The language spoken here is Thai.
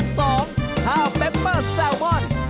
ข้าวเปปเปอร์แซลมอน